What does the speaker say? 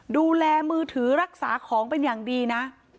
ดูแลมือถือรักษาของเป็นอย่างดีนะ